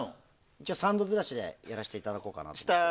一応３度ずらしでやらせていただこうかなと。